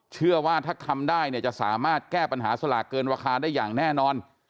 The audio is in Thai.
เชื่อว่าถ้าทำได้เนี่ยจะสามารถแก้ปัญหาสลากเกินราคาได้อย่างแน่นอน